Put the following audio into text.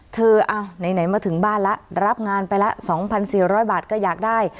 ไหนมาถึงบ้านแล้วรับงานไปละ๒๔๐๐บาทก็อยากได้